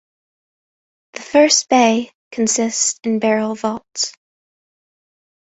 The first bay consists in barrel vaults.